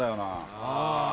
ああ。